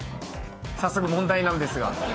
早速問題なんですが。